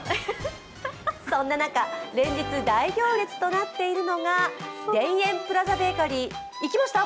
そんな中、連日大行列となっているのは田園プラザベーカリー。行きました？